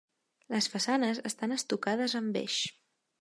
Les façanes estan estucades en beix.